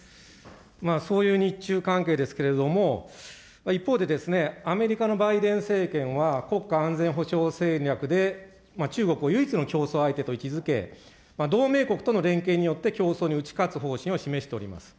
そういう日中関係ですけれども、一方で、アメリカのバイデン政権は、国家安全保障戦略で中国を唯一の競争相手と位置づけ、同盟国との連携によって競争に打ち勝つ方針を示しております。